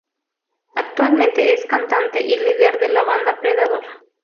Actualmente es cantante y líder de la banda Predador.